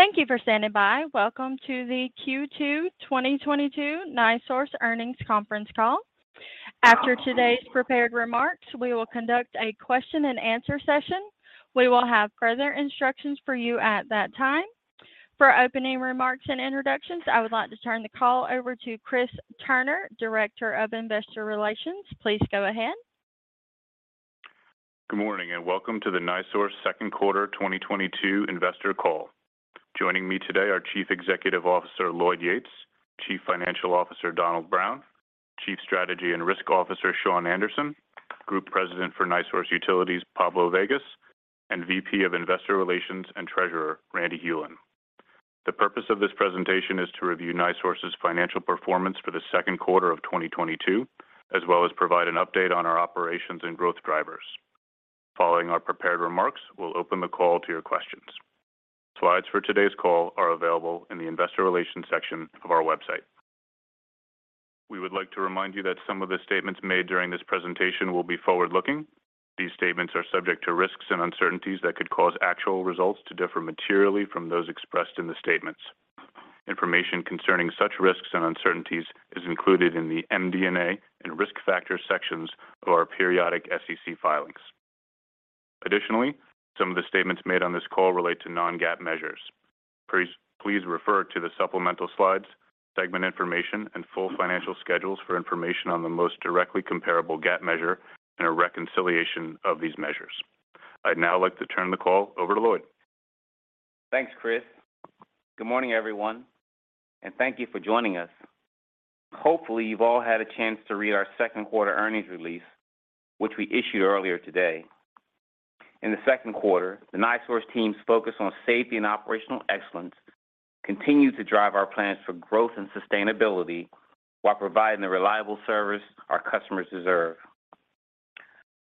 Thank you for standing by. Welcome to the Q2 2022 NiSource Earnings Conference Call. After today's prepared remarks, we will conduct a question-and-answer session. We will have further instructions for you at that time. For opening remarks and introductions, I would like to turn the call over to Christopher Turnure, Director of Investor Relations. Please go ahead. Good morning, and welcome to the NiSource Q2 2022 Investor Call. Joining me today are Chief Executive Officer Lloyd Yates, Chief Financial Officer Donald Brown, Chief Strategy and Risk Officer Shawn Anderson, Group President for NiSource Utilities Pablo Vegas, and VP of Investor Relations and Treasurer Randy Hulen. The purpose of this presentation is to review NiSource's financial performance for the Q2 of 2022, as well as provide an update on our operations and growth drivers. Following our prepared remarks, we'll open the call to your questions. Slides for today's call are available in the investor relations section of our website. We would like to remind you that some of the statements made during this presentation will be forward-looking. These statements are subject to risks and uncertainties that could cause actual results to differ materially from those expressed in the statements. Information concerning such risks and uncertainties is included in the MD&A and risk factors sections of our periodic SEC filings. Additionally, some of the statements made on this call relate to non-GAAP measures. Please refer to the supplemental slides, segment information, and full financial schedules for information on the most directly comparable GAAP measure and a reconciliation of these measures. I'd now like to turn the call over to Lloyd. Thanks, Chris. Good morning, everyone, and thank you for joining us. Hopefully, you've all had a chance to read our Q2 earnings release, which we issued earlier today. In the Q2, the NiSource team's focus on safety and operational excellence continued to drive our plans for growth and sustainability while providing the reliable service our customers deserve.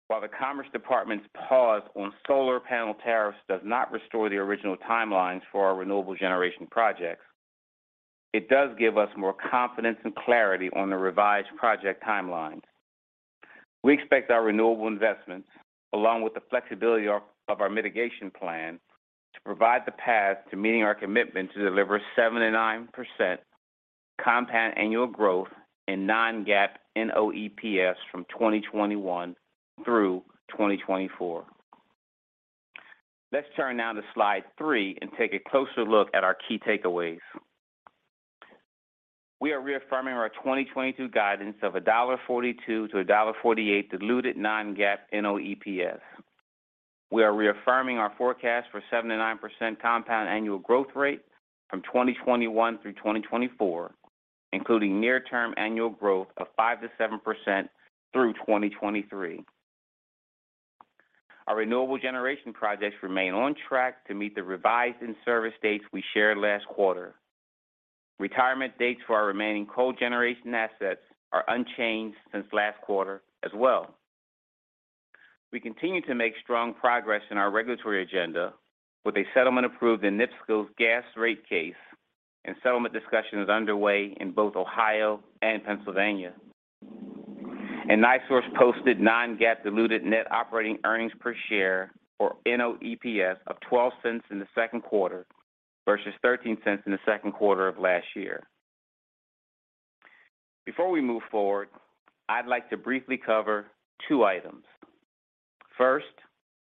While the U.S. Department of Commerce's pause on solar panel tariffs does not restore the original timelines for our renewable generation projects, it does give us more confidence and clarity on the revised project timelines. We expect our renewable investments, along with the flexibility of our mitigation plan, to provide the path to meeting our commitment to deliver 7%-9% compound annual growth in non-GAAP NOEPS from 2021 through 2024. Let's turn now to Slide 3 and take a closer look at our key takeaways. We are reaffirming our 2022 guidance of $1.42-$1.48 diluted non-GAAP NOEPS. We are reaffirming our forecast for 7%-9% compound annual growth rate from 2021 through 2024, including near-term annual growth of 5%-7% through 2023. Our renewable generation projects remain on track to meet the revised in-service dates we shared last quarter. Retirement dates for our remaining coal generation assets are unchanged since last quarter as well. We continue to make strong progress in our regulatory agenda with a settlement approved in NIPSCO's gas rate case and settlement discussions underway in both Ohio and Pennsylvania. NiSource posted non-GAAP diluted net operating earnings per share, or NOEPS, of $0.12 in the Q2 versus $0.13 in the Q2 of last year. Before we move forward, I'd like to briefly cover two items. First,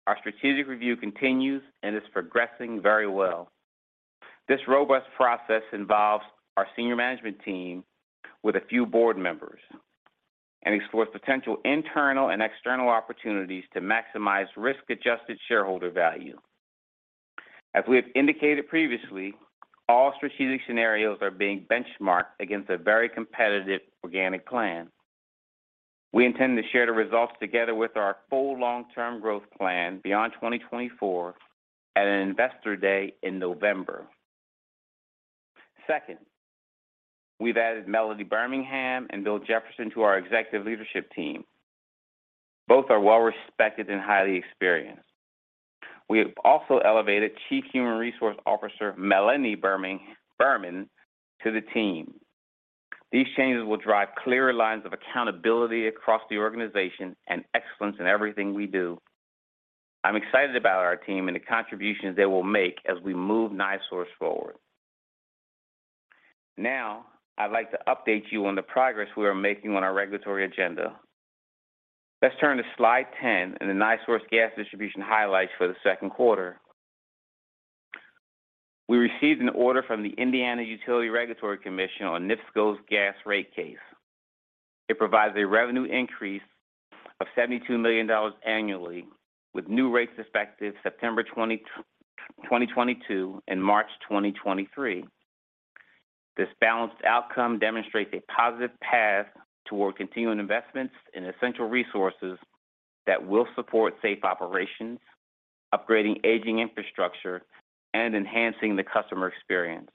our strategic review continues and is progressing very well. This robust process involves our senior management team with a few board members and explores potential internal and external opportunities to maximize risk-adjusted shareholder value. As we have indicated previously, all strategic scenarios are being benchmarked against a very competitive organic plan. We intend to share the results together with our full long-term growth plan beyond 2024 at an Investor Day in November. Second, we've added Melody Birmingham and Bill Jefferson to our executive leadership team. Both are well-respected and highly experienced. We have also elevated Chief Human Resources Officer Melanie Berman to the team. These changes will drive clearer lines of accountability across the organization and excellence in everything we do. I'm excited about our team and the contributions they will make as we move NiSource forward. Now, I'd like to update you on the progress we are making on our regulatory agenda. Let's turn to Slide 10 and the NiSource gas distribution highlights for the Q2. We received an order from the Indiana Utility Regulatory Commission on NIPSCO's gas rate case. It provides a revenue increase of $72 million annually with new rates effective September 2022 and March 2023. This balanced outcome demonstrates a positive path toward continuing investments in essential resources that will support safe operations, upgrading aging infrastructure, and enhancing the customer experience.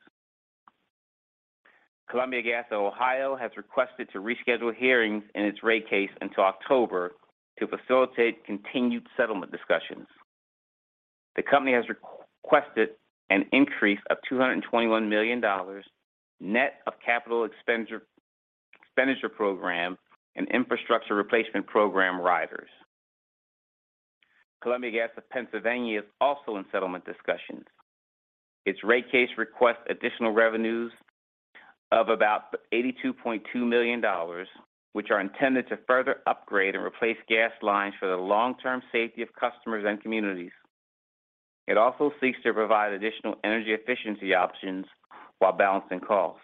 Columbia Gas of Ohio has requested to reschedule hearings in its rate case until October to facilitate continued settlement discussions. The company has requested an increase of $221 million net of capital expenditure program and infrastructure replacement program riders. Columbia Gas of Pennsylvania is also in settlement discussions. Its rate case requests additional revenues of about $82.2 million, which are intended to further upgrade and replace gas lines for the long-term safety of customers and communities. It also seeks to provide additional energy efficiency options while balancing costs.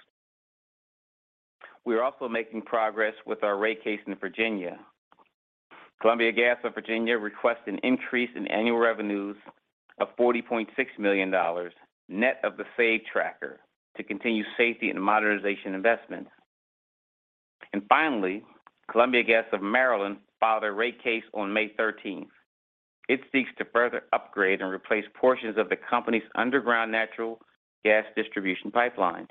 We are also making progress with our rate case in Virginia. Columbia Gas of Virginia requests an increase in annual revenues of $40.6 million net of the save tracker to continue safety and modernization investments. Finally, Columbia Gas of Maryland filed a rate case on 13 May 2022. It seeks to further upgrade and replace portions of the company's underground natural gas distribution pipelines.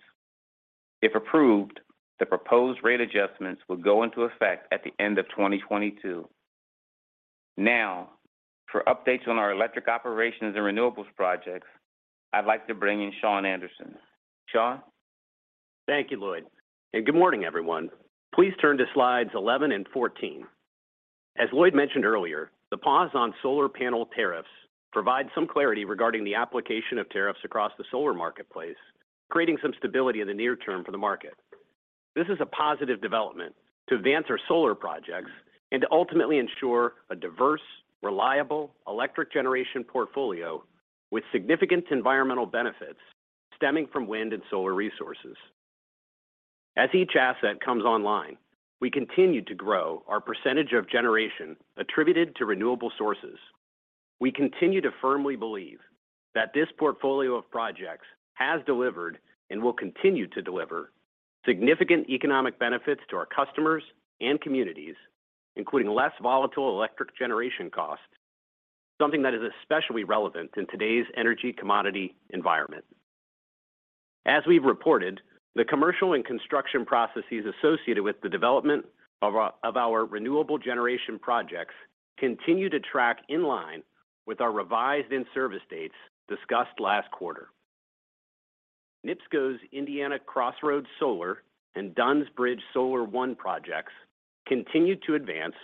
If approved, the proposed rate adjustments will go into effect at the end of 2022. Now, for updates on our electric operations and renewables projects, I'd like to bring in Shawn Anderson. Shawn? Thank you, Lloyd, and good morning, everyone. Please turn to slides 11 and 14. As Lloyd mentioned earlier, the pause on solar panel tariffs provides some clarity regarding the application of tariffs across the solar marketplace, creating some stability in the near term for the market. This is a positive development to advance our solar projects and to ultimately ensure a diverse, reliable electric generation portfolio with significant environmental benefits stemming from wind and solar resources. As each asset comes online, we continue to grow our percentage of generation attributed to renewable sources. We continue to firmly believe that this portfolio of projects has delivered and will continue to deliver significant economic benefits to our customers and communities, including less volatile electric generation costs, something that is especially relevant in today's energy commodity environment. As we've reported, the commercial and construction processes associated with the development of our renewable generation projects continue to track in line with our revised in-service dates discussed last quarter. NIPSCO's Indiana Crossroads Solar and Dunns Bridge Solar I projects continue to advance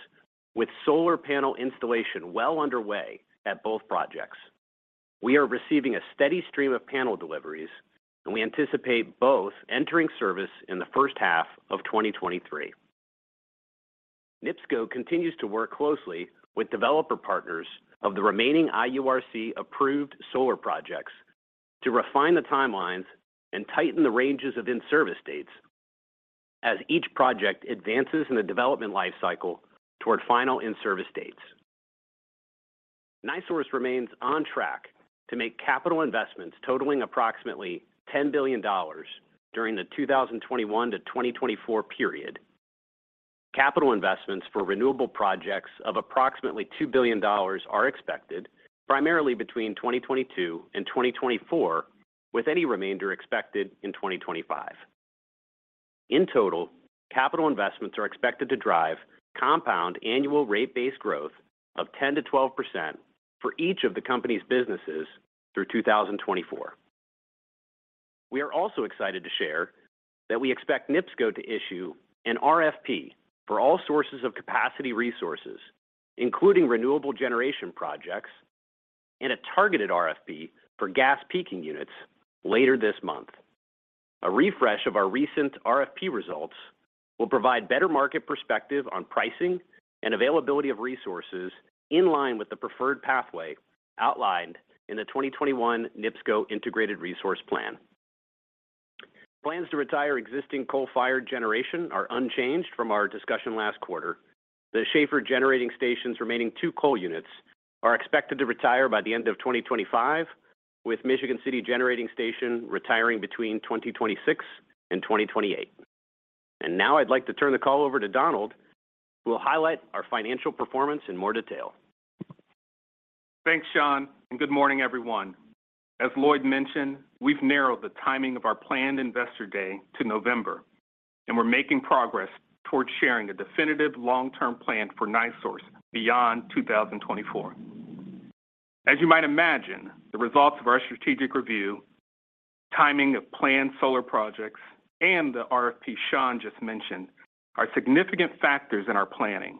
with solar panel installation well underway at both projects. We are receiving a steady stream of panel deliveries, and we anticipate both entering service in the first half of 2023. NIPSCO continues to work closely with developer partners of the remaining IURC-approved solar projects to refine the timelines and tighten the ranges of in-service dates as each project advances in the development life cycle toward final in-service dates. NiSource remains on track to make capital investments totaling approximately $10 billion during the 2021 to 2024 period. Capital investments for renewable projects of approximately $2 billion are expected primarily between 2022 and 2024, with any remainder expected in 2025. In total, capital investments are expected to drive compound annual rate-based growth of 10%-12% for each of the company's businesses through 2024. We are also excited to share that we expect NIPSCO to issue an RFP for all sources of capacity resources, including renewable generation projects and a targeted RFP for gas peaking units later this month. A refresh of our recent RFP results will provide better market perspective on pricing and availability of resources in line with the preferred pathway outlined in the 2021 NIPSCO Integrated Resource Plan. Plans to retire existing coal-fired generation are unchanged from our discussion last quarter. The Schaefer Generating Station's remaining two coal units are expected to retire by the end of 2025, with Michigan City Generating Station retiring between 2026 and 2028. Now I'd like to turn the call over to Donald, who will highlight our financial performance in more detail. Thanks, Shawn, and good morning, everyone. As Lloyd mentioned, we've narrowed the timing of our planned Investor Day to November, and we're making progress towards sharing a definitive long-term plan for NiSource beyond 2024. As you might imagine, the results of our strategic review, timing of planned solar projects, and the RFP Shawn just mentioned are significant factors in our planning.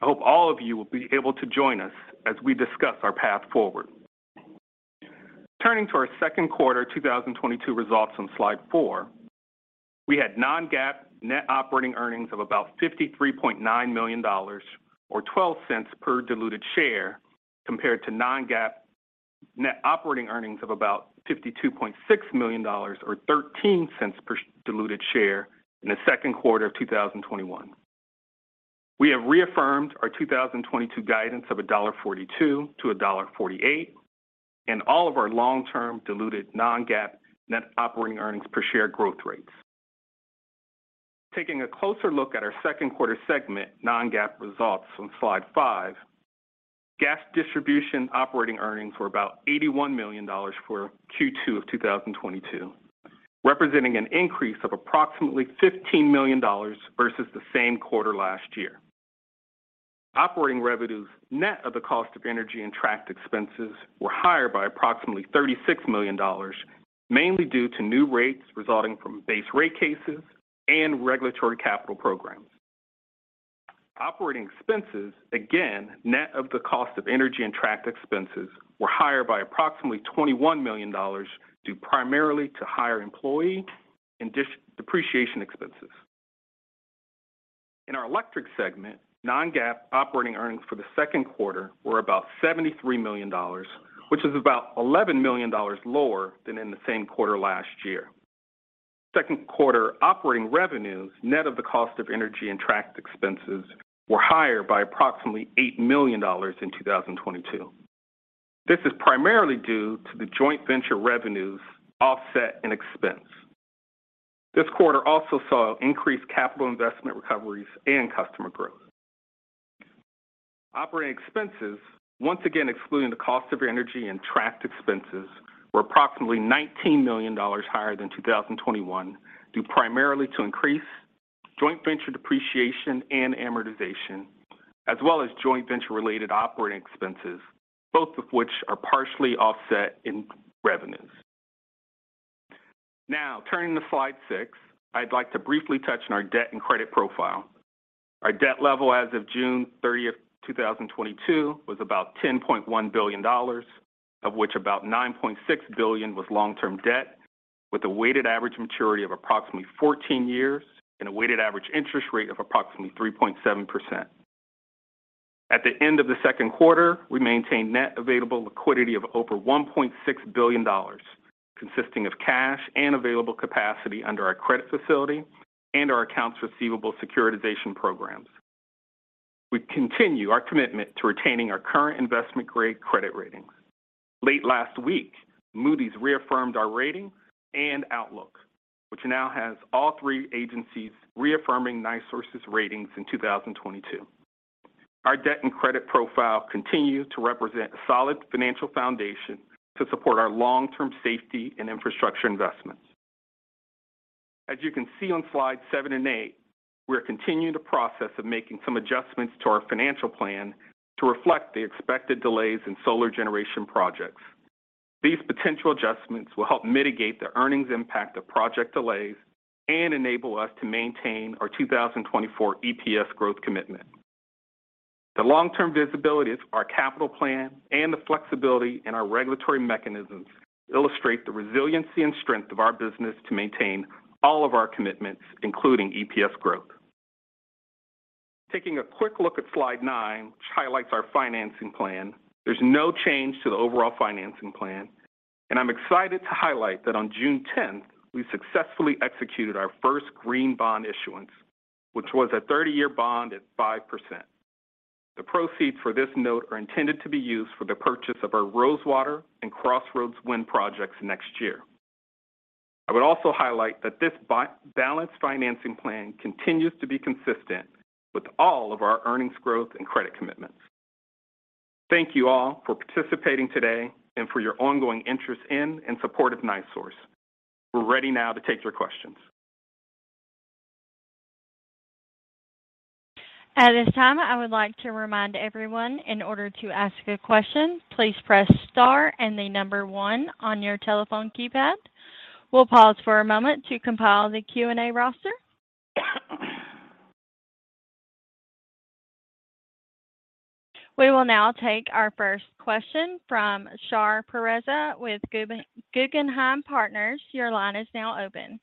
I hope all of you will be able to join us as we discuss our path forward. Turning to our Q2 2022 results on Slide 4, we had non-GAAP net operating earnings of about $53.9 million or $0.12 per diluted share compared to non-GAAP net operating earnings of about $52.6 million or $0.13 per diluted share in the Q2 of 2021. We have reaffirmed our 2022 guidance of $42-$48 and all of our long-term diluted non-GAAP net operating earnings per share growth rates. Taking a closer look at our Q2 segment non-GAAP results on Slide 5, gas distribution operating earnings were about $81 million for Q2 of 2022, representing an increase of approximately $15 million versus the same quarter last year. Operating revenues net of the cost of energy and tracked expenses were higher by approximately $36 million. Mainly due to new rates resulting from base rate cases and regulatory capital programs. Operating expenses, again, net of the cost of energy and tracked expenses, were higher by approximately $21 million due primarily to higher employee and depreciation expenses. In our electric segment, non-GAAP operating earnings for the Q2 were about $73 million, which is about $11 million lower than in the same quarter last year. Q2 operating revenues, net of the cost of energy and tracked expenses, were higher by approximately $8 million in 2022. This is primarily due to the joint venture revenues offset in expense. This quarter also saw increased capital investment recoveries and customer growth. Operating expenses, once again excluding the cost of energy and tracked expenses, were approximately $19 million higher than 2021, due primarily to increased joint venture depreciation and amortization, as well as joint venture-related operating expenses, both of which are partially offset in revenues. Now, turning to Slide 6, I'd like to briefly touch on our debt and credit profile. Our debt level as of 30 June 2022 was about $10.1 billion, of which about $9.6 billion was long-term debt, with a weighted average maturity of approximately 14 years and a weighted average interest rate of approximately 3.7%. At the end of the Q2, we maintained net available liquidity of over $1.6 billion, consisting of cash and available capacity under our credit facility and our accounts receivable securitization programs. We continue our commitment to retaining our current investment-grade credit ratings. Late last week, Moody's reaffirmed our rating and outlook, which now has all three agencies reaffirming NiSource's ratings in 2022. Our debt and credit profile continue to represent a solid financial foundation to support our long-term safety and infrastructure investments. As you can see on Slide 7 and 8, we are continuing the process of making some adjustments to our financial plan to reflect the expected delays in solar generation projects. These potential adjustments will help mitigate the earnings impact of project delays and enable us to maintain our 2024 EPS growth commitment. The long-term visibility of our capital plan and the flexibility in our regulatory mechanisms illustrate the resiliency and strength of our business to maintain all of our commitments, including EPS growth. Taking a quick look at Slide 9, which highlights our financing plan, there's no change to the overall financing plan. I'm excited to highlight that on 10 June 2022, we successfully executed our first green bond issuance, which was a 30-year bond at 5%. The proceeds for this note are intended to be used for the purchase of our Rosewater and Crossroads wind projects next year. I would also highlight that this balanced financing plan continues to be consistent with all of our earnings growth and credit commitments. Thank you all for participating today and for your ongoing interest in and support of NiSource. We're ready now to take your questions. At this time, I would like to remind everyone in order to ask a question, please press star and the number one on your telephone keypad. We'll pause for a moment to compile the Q&A roster. We will now take our first question from Shar Pourreza with Guggenheim Partners. Your line is now open.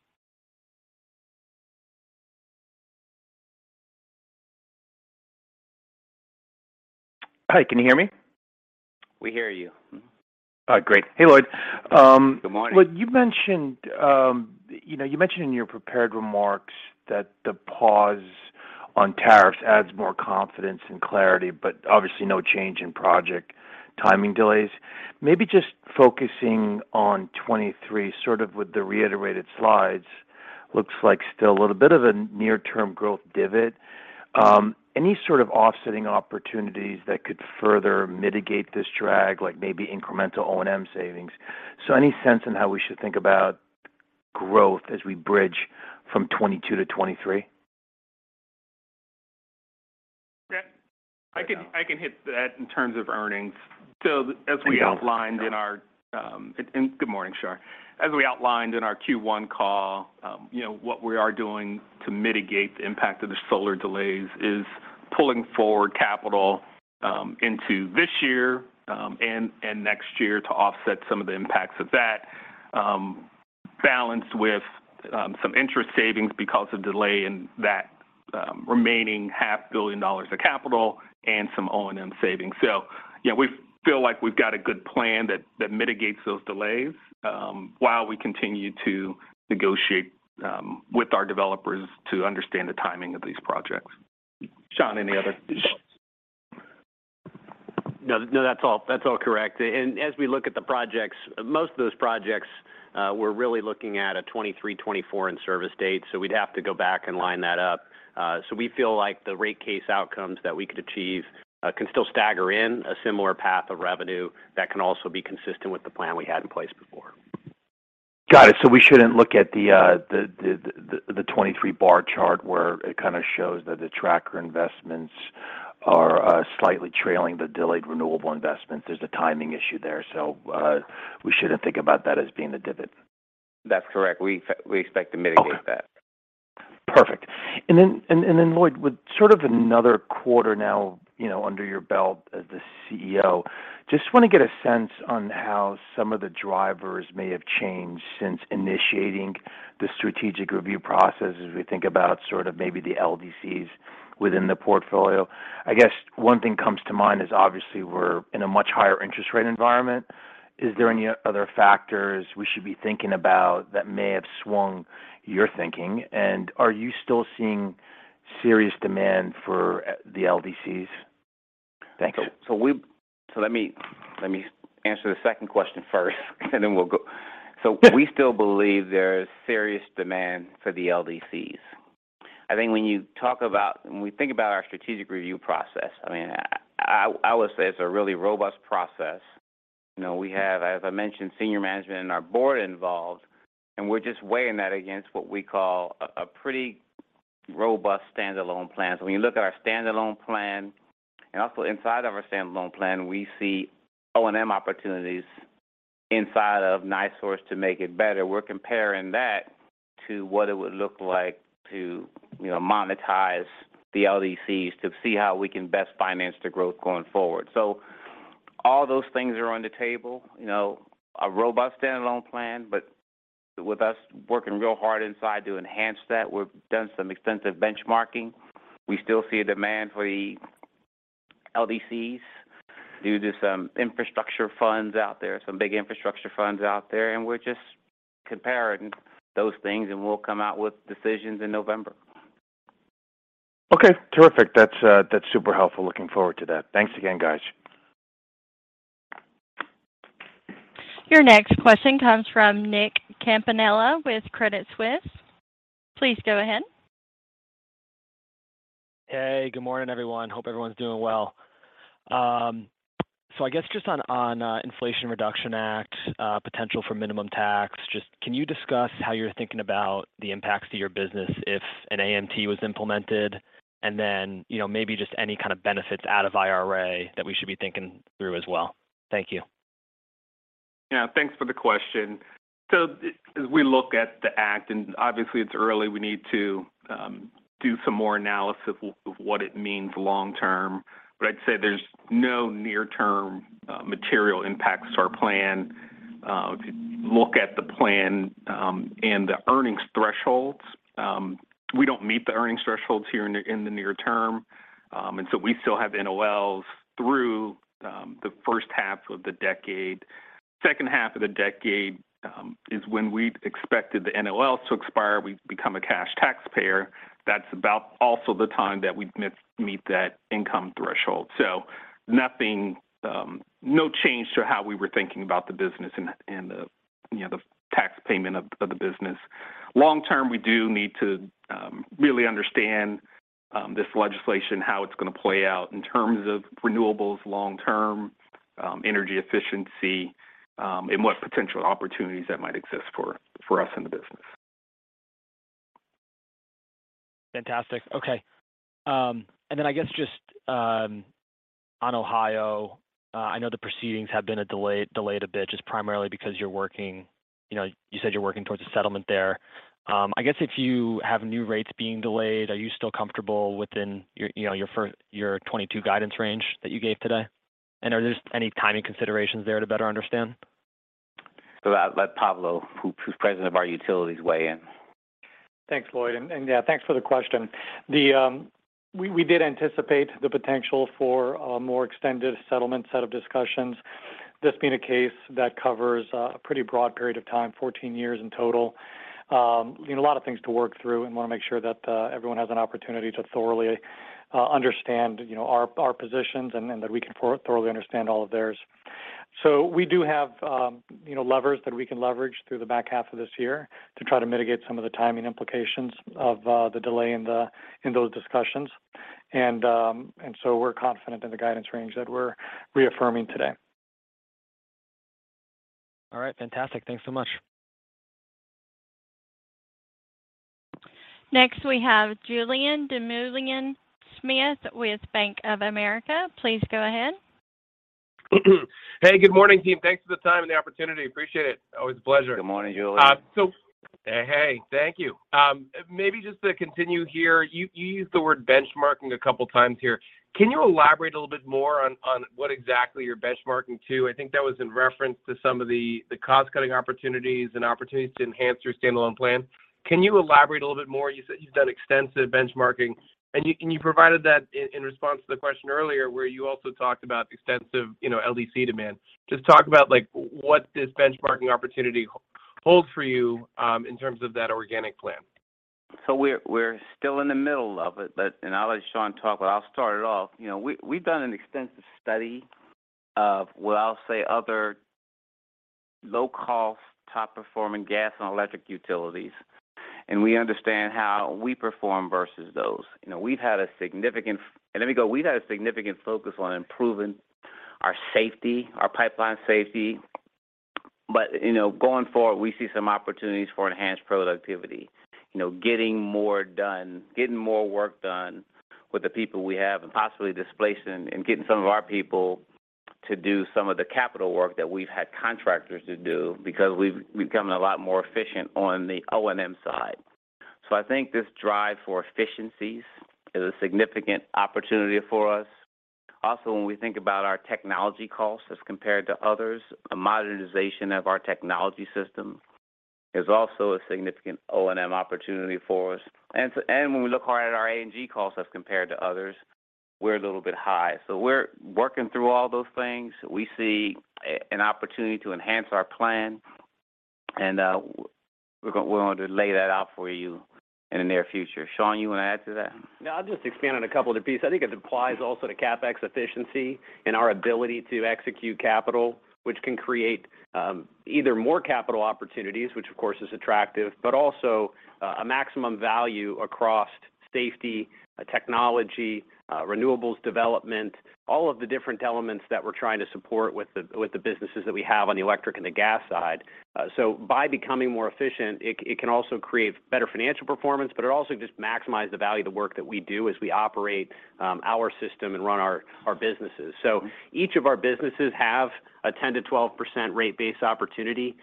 Hi, can you hear me? We hear you. Great. Hey, Lloyd. Good morning. Lloyd, you mentioned, you know, in your prepared remarks that the pause on tariffs adds more confidence and clarity, but obviously no change in project timing delays. Maybe just focusing on 2023, sort of with the reiterated slides, looks like still a little bit of a near-term growth divot. Any sort of offsetting opportunities that could further mitigate this drag, like maybe incremental O&M savings? Any sense in how we should think about growth as we bridge from 2022-2023? Yeah. I can hit that in terms of earnings. Good morning, Shar. As we outlined in our Q1 call, you know, what we are doing to mitigate the impact of the solar delays is pulling forward capital into this year and next year to offset some of the impacts of that, balanced with some interest savings because of delay in that remaining half billion dollars of capital and some O&M savings. Yeah, we feel like we've got a good plan that mitigates those delays while we continue to negotiate with our developers to understand the timing of these projects. Shawn, any other thoughts? No, that's all correct. As we look at the projects, most of those projects, we're really looking at a 2023-2024 in-service date, so we'd have to go back and line that up. We feel like the rate case outcomes that we could achieve can still stagger in a similar path of revenue that can also be consistent with the plan we had in place before. Got it. We shouldn't look at the 2023 bar chart where it kinda shows that the tracker investments are slightly trailing the delayed renewable investments. There's a timing issue there. We shouldn't think about that as being a divot. That's correct. We expect to mitigate that. Okay. Perfect. Lloyd, with sort of another quarter now, you know, under your belt as the CEO, just wanna get a sense on how some of the drivers may have changed since initiating the strategic review process as we think about sort of maybe the LDCs within the portfolio. I guess one thing comes to mind is obviously we're in a much higher interest rate environment. Is there any other factors we should be thinking about that may have swung your thinking? Are you still seeing serious demand for the LDCs? Thank you. Let me answer the second question first, and then we'll go. We still believe there is serious demand for the LDCs. I think when we think about our strategic review process, I mean, I would say it's a really robust process. You know, we have, as I mentioned, senior management and our board involved, and we're just weighing that against what we call a pretty robust standalone plan. When you look at our standalone plan, and also inside of our standalone plan, we see O&M opportunities inside of NiSource to make it better. We're comparing that to what it would look like to, you know, monetize the LDCs to see how we can best finance the growth going forward. All those things are on the table. You know, a robust standalone plan, but with us working real hard inside to enhance that. We've done some extensive benchmarking. We still see a demand for the LDCs due to some infrastructure funds out there, some big infrastructure funds out there, and we're just comparing those things, and we'll come out with decisions in November. Okay, terrific. That's super helpful. Looking forward to that. Thanks again, guys. Your next question comes from Nick Campanella with Credit Suisse. Please go ahead. Hey, good morning, everyone. Hope everyone's doing well. I guess just on Inflation Reduction Act, potential for minimum tax, just can you discuss how you're thinking about the impacts to your business if an AMT was implemented? And then, you know, maybe just any kind of benefits out of IRA that we should be thinking through as well. Thank you. Yeah. Thanks for the question. As we look at the act, and obviously it's early, we need to do some more analysis of what it means long term. I'd say there's no near-term material impacts to our plan. If you look at the plan and the earnings thresholds, we don't meet the earnings thresholds here in the near term, and so we still have NOLs through the first half of the decade. Second half of the decade is when we expected the NOLs to expire. We become a cash taxpayer. That's also about the time that we'd meet that income threshold. Nothing, no change to how we were thinking about the business and the, you know, the tax payment of the business. Long term, we do need to really understand this legislation, how it's gonna play out in terms of renewables long term, energy efficiency, and what potential opportunities that might exist for us in the business. Fantastic. Okay. I guess just on Ohio, I know the proceedings have been delayed a bit just primarily because you're working, you know, you said you're working towards a settlement there. I guess if you have new rates being delayed, are you still comfortable within your, you know, your 2022 guidance range that you gave today? Are there any timing considerations there to better understand? I'll let Pablo, who's president of our utilities, weigh in. Thanks, Lloyd. Yeah, thanks for the question. We did anticipate the potential for a more extended settlement set of discussions, this being a case that covers a pretty broad period of time, 14 years in total. You know, a lot of things to work through and wanna make sure that everyone has an opportunity to thoroughly understand, you know, our positions and that we can thoroughly understand all of theirs. We do have, you know, levers that we can leverage through the back half of this year to try to mitigate some of the timing implications of the delay in those discussions. We're confident in the guidance range that we're reaffirming today. All right. Fantastic. Thanks so much. Next we have Julien Dumoulin-Smith with Bank of America. Please go ahead. Hey, good morning, team. Thanks for the time and the opportunity. Appreciate it. Always a pleasure. Good morning, Julien. Hey, thank you. Maybe just to continue here, you used the word benchmarking a couple times here. Can you elaborate a little bit more on what exactly you're benchmarking to? I think that was in reference to some of the cost-cutting opportunities and opportunities to enhance your standalone plan. Can you elaborate a little bit more? You said you've done extensive benchmarking, and you provided that in response to the question earlier, where you also talked about extensive, you know, LDC demand. Just talk about, like, what this benchmarking opportunity holds for you in terms of that organic plan. We're still in the middle of it. I'll let Shawn talk, but I'll start it off. You know, we've done an extensive study of what I'll say other low-cost, top-performing gas and electric utilities, and we understand how we perform versus those. You know, we've had a significant focus on improving our safety, our pipeline safety. You know, going forward, we see some opportunities for enhanced productivity. You know, getting more done, getting more work done with the people we have, and possibly displacing and getting some of our people to do some of the capital work that we've had contractors to do because we've become a lot more efficient on the O&M side. I think this drive for efficiencies is a significant opportunity for us. When we think about our technology costs as compared to others, a modernization of our technology system is also a significant O&M opportunity for us. When we look hard at our A&G costs as compared to others, we're a little bit high. We're working through all those things. We see an opportunity to enhance our plan, and we wanted to lay that out for you in the near future. Shawn, you want to add to that? Yeah. I'll just expand on a couple other pieces. I think it applies also to CapEx efficiency and our ability to execute capital, which can create either more capital opportunities, which of course is attractive, but also a maximum value across safety, technology, renewables development, all of the different elements that we're trying to support with the businesses that we have on the electric and the gas side. So by becoming more efficient, it can also create better financial performance, but it also just maximize the value of the work that we do as we operate our system and run our businesses. Each of our businesses have a 10%-12% rate base opportunity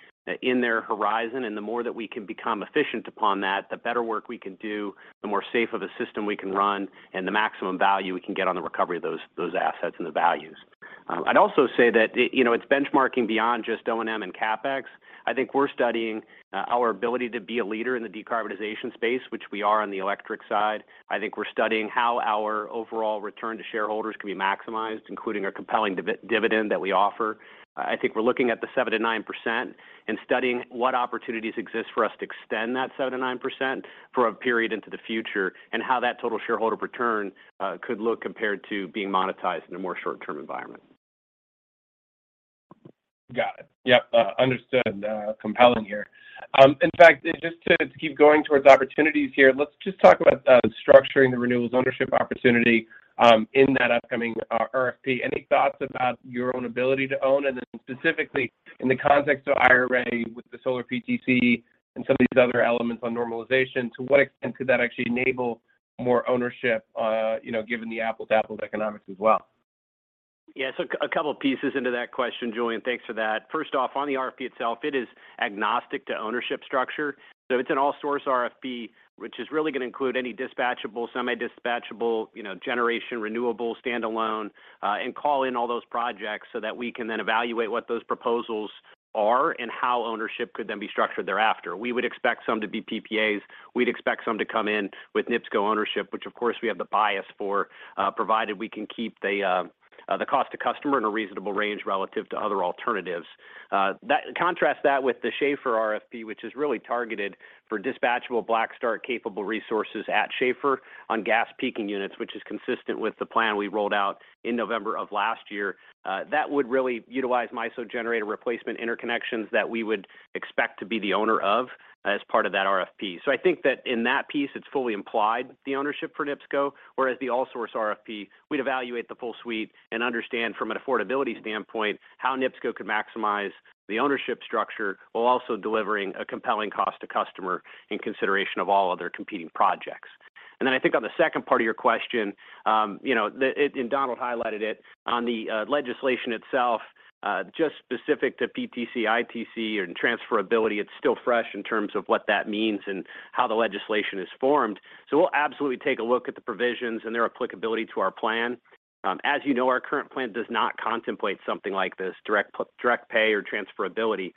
in their horizon, and the more that we can become efficient upon that, the better work we can do, the more safe of a system we can run, and the maximum value we can get on the recovery of those assets and the values. I'd also say that it, you know, it's benchmarking beyond just O&M and CapEx. I think we're studying our ability to be a leader in the decarbonization space, which we are on the electric side. I think we're studying how our overall return to shareholders can be maximized, including a compelling dividend that we offer. I think we're looking at the 7%-9% and studying what opportunities exist for us to extend that 7%-9% for a period into the future, and how that total shareholder return could look compared to being monetized in a more short-term environment. Got it. Yep. Understood. Compelling here. In fact, just to keep going towards opportunities here, let's just talk about structuring the renewables ownership opportunity in that upcoming RFP. Any thoughts about your own ability to own? Specifically in the context of IRA with the solar PTC and some of these other elements on normalization, to what extent could that actually enable more ownership, you know, given the apples to apples economics as well? Yeah. A couple pieces into that question, Julien. Thanks for that. First off, on the RFP itself, it is agnostic to ownership structure. It's an all source RFP, which is really going to include any dispatchable, semi-dispatchable, you know, generation, renewable, stand alone, and call in all those projects so that we can then evaluate what those proposals are and how ownership could then be structured thereafter. We would expect some to be PPAs. We'd expect some to come in with NIPSCO ownership, which, of course, we have the bias for, provided we can keep the cost to customer in a reasonable range relative to other alternatives. Contrast that with the Schaefer RFP, which is really targeted for dispatchable black start capable resources at Schaefer on gas peaking units, which is consistent with the plan we rolled out in November of last year. That would really utilize MISO generator replacement interconnections that we would expect to be the owner of as part of that RFP. I think that in that piece, it's fully implied the ownership for NIPSCO, whereas the all source RFP, we'd evaluate the full suite and understand from an affordability standpoint how NIPSCO could maximize the ownership structure while also delivering a compelling cost to customer in consideration of all other competing projects. I think on the second part of your question, you know, and Donald highlighted it on the legislation itself, just specific to PTC, ITC, and transferability, it's still fresh in terms of what that means and how the legislation is formed. We'll absolutely take a look at the provisions and their applicability to our plan. As you know, our current plan does not contemplate something like this, direct pay or transferability.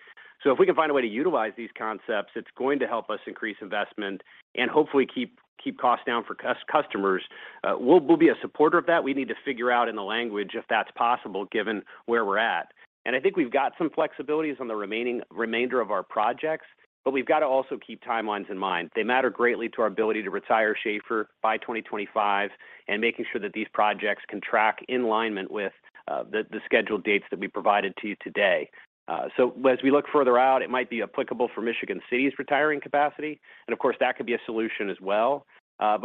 If we can find a way to utilize these concepts, it's going to help us increase investment and hopefully keep costs down for customers. We'll be a supporter of that. We need to figure out in the language if that's possible given where we're at. I think we've got some flexibilities on the remainder of our projects, but we've got to also keep timelines in mind. They matter greatly to our ability to retire Schaefer by 2025 and making sure that these projects can track in alignment with the scheduled dates that we provided to you today. As we look further out, it might be applicable for Michigan City's retiring capacity. Of course, that could be a solution as well.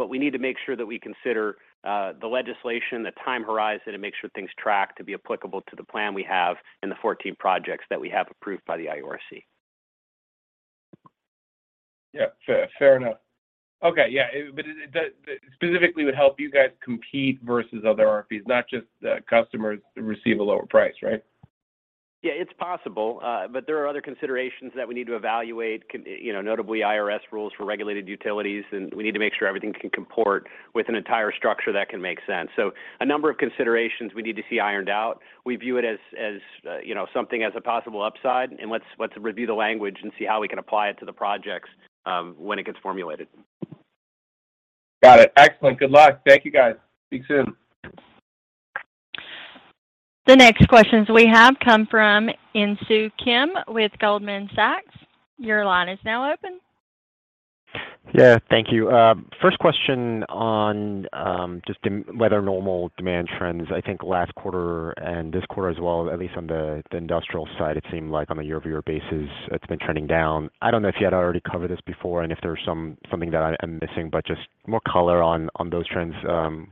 We need to make sure that we consider the legislation, the time horizon, and make sure things track to be applicable to the plan we have and the 14 projects that we have approved by the IURC. Yeah. Fair enough. Okay. Yeah. That specifically would help you guys compete versus other RFPs, not just the customers receive a lower price, right? Yeah. It's possible. But there are other considerations that we need to evaluate, you know, notably IRS rules for regulated utilities, and we need to make sure everything can comport with an entire structure that can make sense. A number of considerations we need to see ironed out. We view it as, you know, something as a possible upside, and let's review the language and see how we can apply it to the projects when it gets formulated. Got it. Excellent. Good luck. Thank you, guys. Speak soon. The next questions we have come from Insoo Kim with Goldman Sachs. Your line is now open. Yeah. Thank you. First question on just weather-normal demand trends, I think last quarter and this quarter as well, at least on the industrial side, it seemed like on a year-over-year basis, it's been trending down. I don't know if you had already covered this before and if there's something that I am missing, but just more color on those trends,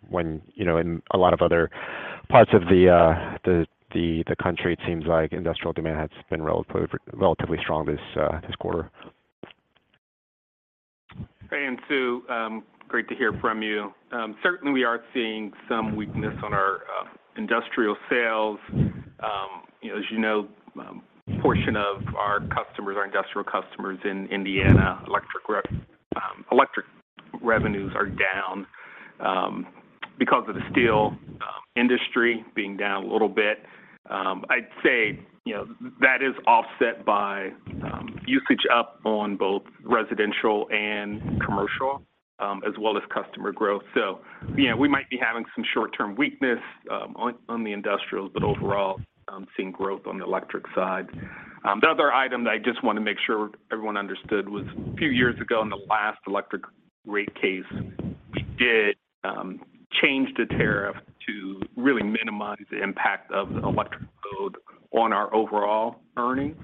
when you know, in a lot of other parts of the country, it seems like industrial demand has been relatively strong this quarter. Hey, Sue, great to hear from you. Certainly we are seeing some weakness on our industrial sales. You know, as you know, a portion of our customers, our industrial customers in Indiana, electric revenues are down because of the steel industry being down a little bit. I'd say, you know, that is offset by usage up on both residential and commercial, as well as customer growth. Yeah, we might be having some short-term weakness on the industrials, but overall, I'm seeing growth on the electric side. The other item that I just wanna make sure everyone understood was a few years ago in the last electric rate case, we did change the tariff to really minimize the impact of the electric load on our overall earnings.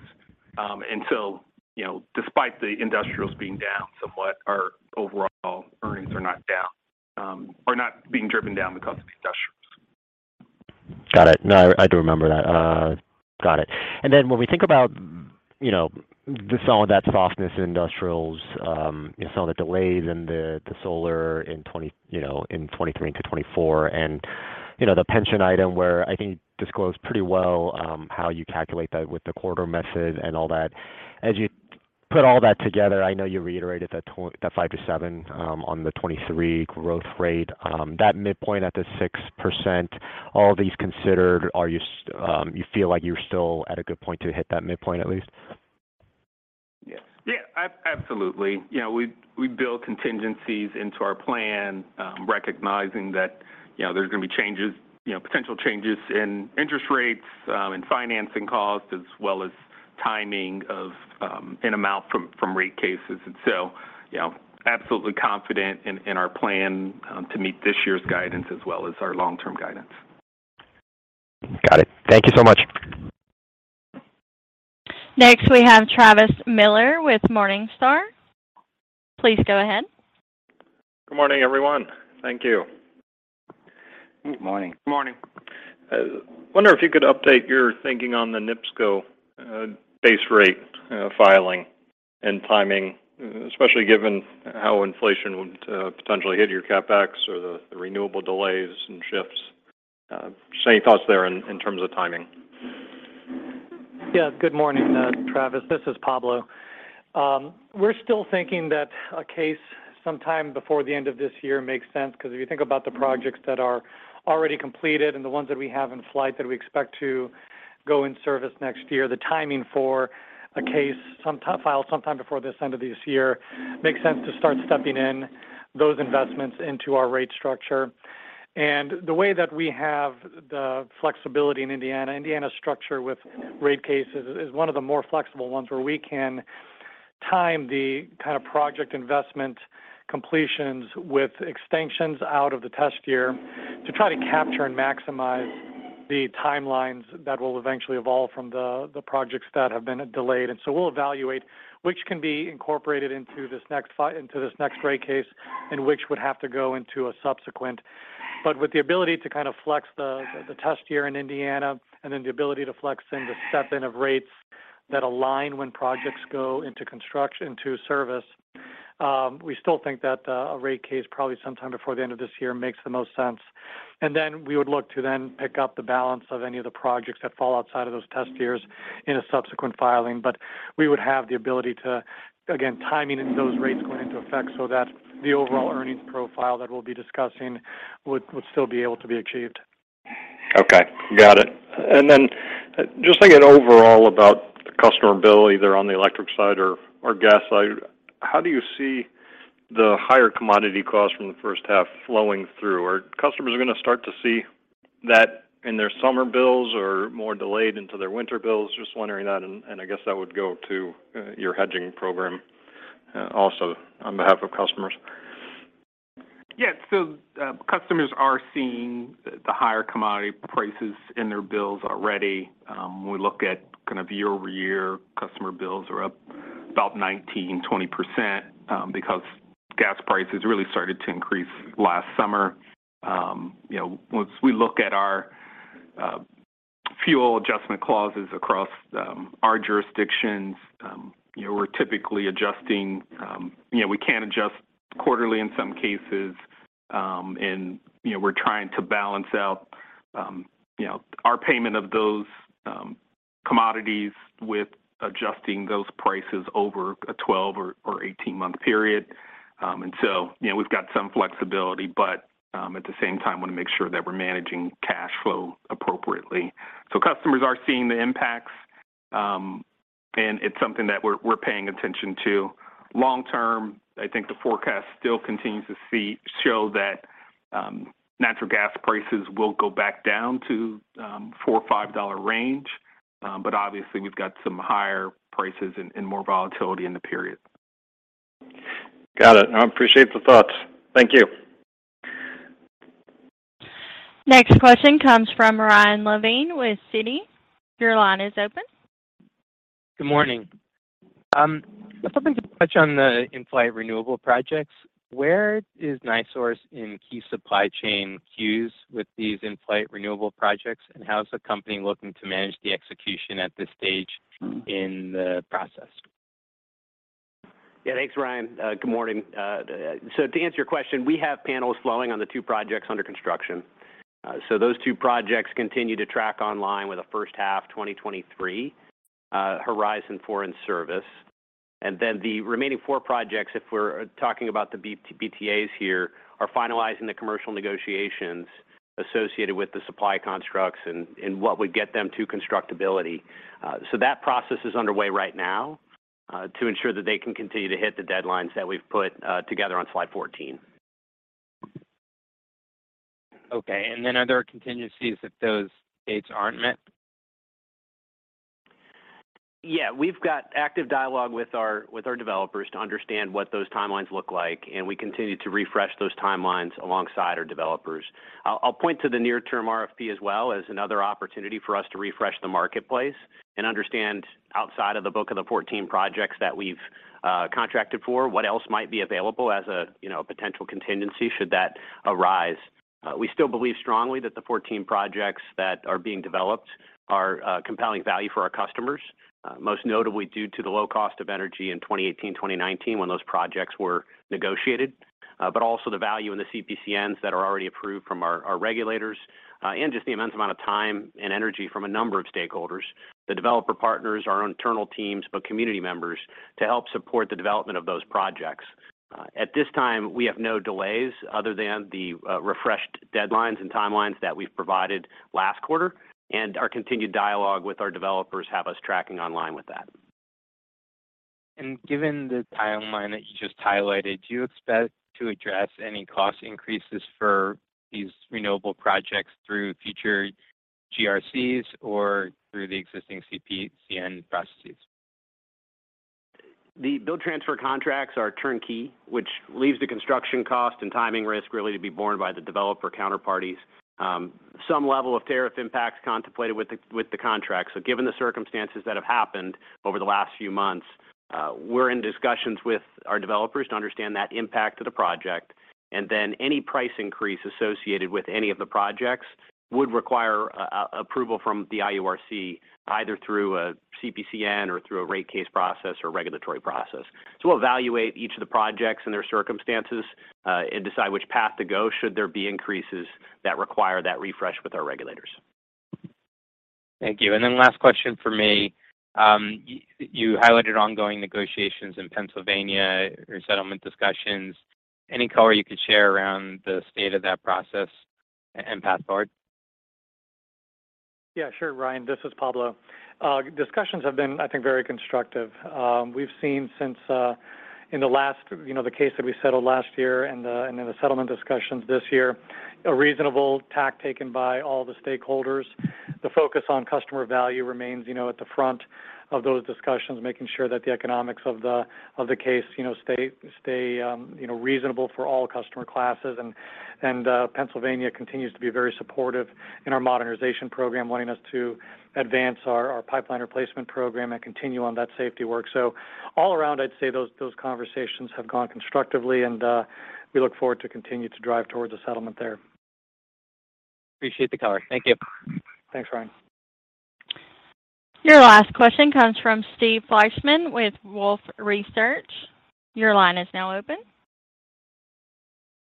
You know, despite the industrials being down somewhat, our overall earnings are not down, or not being driven down because of industrials. Got it. No, I do remember that. Got it. Then when we think about, you know, just some of that softness in industrials, you know, some of the delays in the solar in 2020, you know, in 2023 into 2024 and, you know, the pension item where I think disclosed pretty well, how you calculate that with the quarter message and all that. As you put all that together, I know you reiterated that 5%-7% on the 2023 growth rate, that midpoint at the 6%, all these considered, do you feel like you're still at a good point to hit that midpoint at least? Yeah. Absolutely. You know, we build contingencies into our plan, recognizing that, you know, there's gonna be changes, you know, potential changes in interest rates, in financing costs, as well as timing of an amount from rate cases. You know, absolutely confident in our plan to meet this year's guidance as well as our long-term guidance. Got it. Thank you so much. Next, we have Travis Miller with Morningstar. Please go ahead. Good morning, everyone. Thank you. Good morning. Good morning. Wonder if you could update your thinking on the NIPSCO base rate filing and timing, especially given how inflation would potentially hit your CapEx or the renewable delays and shifts. Just any thoughts there in terms of timing? Yeah. Good morning, Travis. This is Pablo. We're still thinking that a case sometime before the end of this year makes sense because if you think about the projects that are already completed and the ones that we have in flight that we expect to go in service next year, the timing for a case filed sometime before the end of this year makes sense to start stepping in those investments into our rate structure. The way that we have the flexibility in Indiana's structure with rate cases is one of the more flexible ones where we can time the kind of project investment completions with extensions out of the test year to try to capture and maximize the timelines that will eventually evolve from the projects that have been delayed. We'll evaluate which can be incorporated into this next rate case and which would have to go into a subsequent. With the ability to kind of flex the test year in Indiana and then the ability to flex in the step-in of rates that align when projects go into construction, into service, we still think that a rate case probably sometime before the end of this year makes the most sense. We would look to then pick up the balance of any of the projects that fall outside of those test years in a subsequent filing. We would have the ability to, again, timing those rates going into effect so that the overall earnings profile that we'll be discussing would still be able to be achieved. Okay. Got it. Just thinking overall about the customer bill, either on the electric side or gas side, how do you see the higher commodity costs from the first half flowing through? Are customers gonna start to see that in their summer bills or more delayed into their winter bills? Just wondering that and I guess that would go to your hedging program also on behalf of customers. Yeah. Customers are seeing the higher commodity prices in their bills already. We look at kind of year-over-year customer bills are up about 19%-20%, because gas prices really started to increase last summer. You know, once we look at our fuel adjustment clauses across our jurisdictions, you know, we're typically adjusting, you know, we can adjust quarterly in some cases, and you know, we're trying to balance out, you know, our payment of those commodities with adjusting those prices over a 12 or 18-month period. We've got some flexibility, but at the same time, wanna make sure that we're managing cash flow appropriately. Customers are seeing the impacts, and it's something that we're paying attention to. Long term, I think the forecast still continues to show that natural gas prices will go back down to $4, $5 range. Obviously we've got some higher prices and more volatility in the period. Got it. I appreciate the thoughts. Thank you. Next question comes from Ryan Levine with Citi. Your line is open. Good morning. I was hoping to touch on the in-flight renewable projects. Where is NiSource in key supply chain queues with these in-flight renewable projects, and how is the company looking to manage the execution at this stage in the process? Yeah. Thanks, Ryan. Good morning. To answer your question, we have panels flowing on the two projects under construction. Those two projects continue to track to come online with a first-half 2023 horizon for in-service. The remaining four projects, if we're talking about the BTAs here, are finalizing the commercial negotiations associated with the supply contracts and what would get them to constructability. That process is underway right now to ensure that they can continue to hit the deadlines that we've put together on Slide 14. Okay. Are there contingencies if those dates aren't met? Yeah. We've got active dialogue with our developers to understand what those timelines look like, and we continue to refresh those timelines alongside our developers. I'll point to the near term RFP as well as another opportunity for us to refresh the marketplace and understand outside of the book of the 14 projects that we've contracted for, what else might be available as a, you know, potential contingency should that arise. We still believe strongly that the 14 projects that are being developed are compelling value for our customers, most notably due to the low cost of energy in 2018, 2019 when those projects were negotiated, but also the value in the CPCNs that are already approved from our regulators, and just the immense amount of time and energy from a number of stakeholders, the developer partners, our internal teams, but community members to help support the development of those projects. At this time, we have no delays other than the refreshed deadlines and timelines that we've provided last quarter, and our continued dialogue with our developers have us tracking online with that. Given the timeline that you just highlighted, do you expect to address any cost increases for these renewable projects through future GRCs or through the existing CPCN processes? The build transfer contracts are turnkey, which leaves the construction cost and timing risk really to be borne by the developer counterparties. Some level of tariff impact's contemplated with the contract. Given the circumstances that have happened over the last few months, we're in discussions with our developers to understand that impact to the project. Any price increase associated with any of the projects would require approval from the IURC either through a CPCN or through a rate case process or regulatory process. We'll evaluate each of the projects and their circumstances and decide which path to go should there be increases that require that refresh with our regulators. Thank you. Last question from me. You highlighted ongoing negotiations in Pennsylvania or settlement discussions. Any color you could share around the state of that process and path forward? Yeah, sure, Ryan. This is Pablo. Discussions have been, I think, very constructive. We've seen since in the last, you know, the case that we settled last year and in the settlement discussions this year, a reasonable tack taken by all the stakeholders. The focus on customer value remains, you know, at the front of those discussions, making sure that the economics of the case, you know, stay reasonable for all customer classes. Pennsylvania continues to be very supportive in our modernization program, wanting us to advance our pipeline replacement program and continue on that safety work. All around, I'd say those conversations have gone constructively, and we look forward to continue to drive towards a settlement there. Appreciate the color. Thank you. Thanks, Ryan. Your last question comes from Steve Fleishman with Wolfe Research. Your line is now open.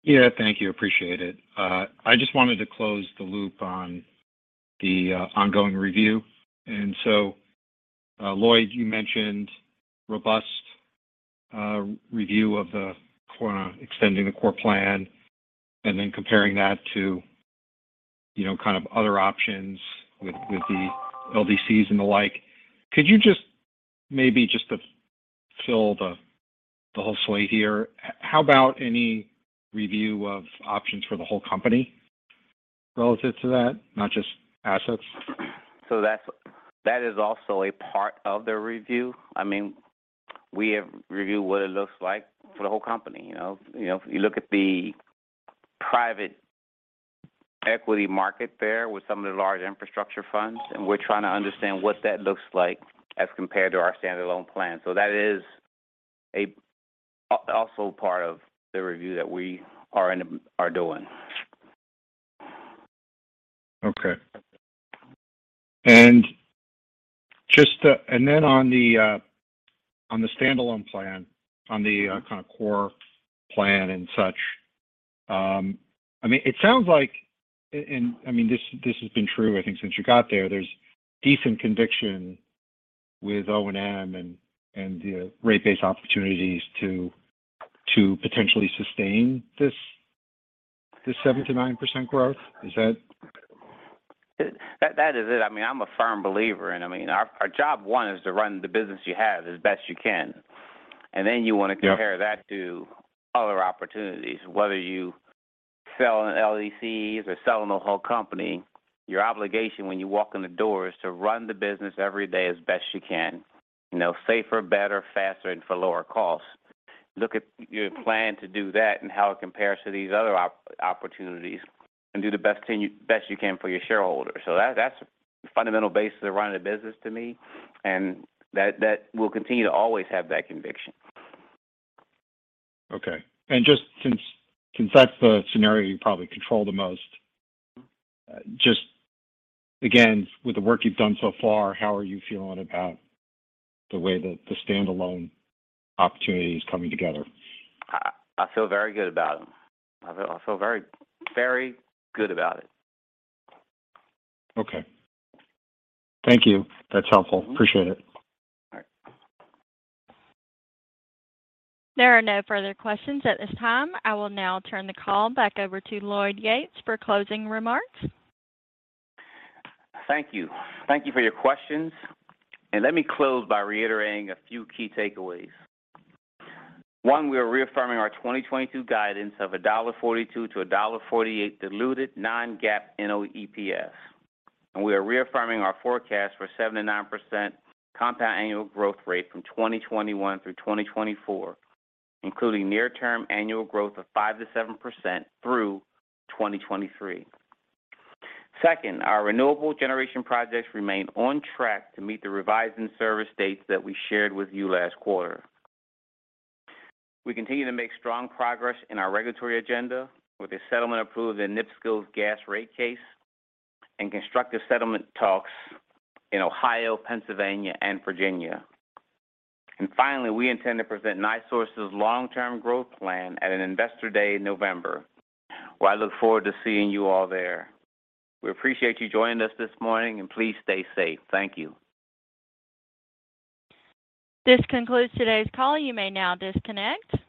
Yeah. Thank you. Appreciate it. I just wanted to close the loop on the ongoing review. Lloyd, you mentioned robust review of the core, extending the core plan and then comparing that to, you know, kind of other options with the LDCs and the like. Could you just maybe to fill the whole slate here, how about any review of options for the whole company relative to that, not just assets? That is also a part of the review. I mean, we have reviewed what it looks like for the whole company. You know, if you look at the private equity market there with some of the large infrastructure funds, and we're trying to understand what that looks like as compared to our stand-alone plan. That is also part of the review that we are doing. Okay. On the stand-alone plan, on the kind of core plan and such, I mean, it sounds like and I mean, this has been true, I think, since you got there. There's decent conviction with O&M and you know, rate-based opportunities to potentially sustain this 7%-9% growth. Is that? That is it. I mean, I'm a firm believer in, I mean, our job one is to run the business you have as best you can. Then you wanna compare that to other opportunities, whether you selling LDCs or selling the whole company. Your obligation when you walk in the door is to run the business every day as best you can, you know, safer, better, faster, and for lower cost. Look at your plan to do that and how it compares to these other opportunities and do the best thing best you can for your shareholders. That's the fundamental basis of running a business to me, and that will continue to always have that conviction. Okay. Just since that's the scenario you probably control the most. Just again, with the work you've done so far, how are you feeling about the way the standalone opportunity is coming together? I feel very good about them. I feel very good about it. Okay. Thank you. That's helpful. Appreciate it. All right. There are no further questions at this time. I will now turn the call back over to Lloyd Yates for closing remarks. Thank you. Thank you for your questions. Let me close by reiterating a few key takeaways. One, we are reaffirming our 2022 guidance of $1.42-$1.48 diluted non-GAAP NOEPS. We are reaffirming our forecast for 7%-9% compound annual growth rate from 2021 through 2024, including near-term annual growth of 5%-7% through 2023. Second, our renewable generation projects remain on track to meet the revised in-service dates that we shared with you last quarter. We continue to make strong progress in our regulatory agenda with a settlement approved in NIPSCO's gas rate case and constructive settlement talks in Ohio, Pennsylvania, and Virginia. Finally, we intend to present NiSource's long-term growth plan at an Investor Day in November, where I look forward to seeing you all there. We appreciate you joining us this morning, and please stay safe. Thank you. This concludes today's call. You may now disconnect.